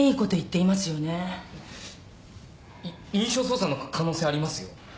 い印象操作の可能性ありますよ。